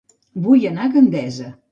Vull anar a Gandesa